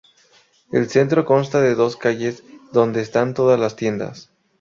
El centro consta de dos calles, donde están todas las tiendas.